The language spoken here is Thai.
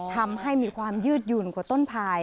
ทำให้มีความยืดหยุ่นกว่าต้นพาย